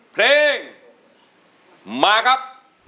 เพลงมาครับ